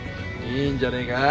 いいんじゃねえか？